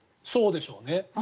そうでしょうね。